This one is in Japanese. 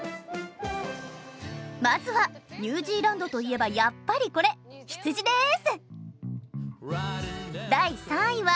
まずはニュージーランドといえばやっぱりこれ羊です。